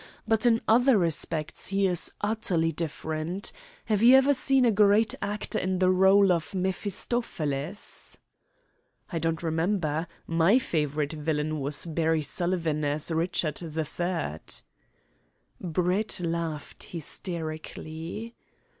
But in other respects he is utterly different. Have you ever seen a great actor in the role of Mephistopheles?" "I don't remember. My favourite villain was Barry Sullivan as Richard III." Brett laughed hysterically.